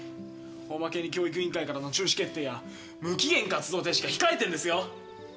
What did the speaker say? おまけに教育委員会からの中止決定や無期限活動停止が控えてんですよ。